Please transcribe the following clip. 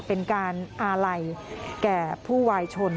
เป็นการอาลัยแก่ผู้วายชน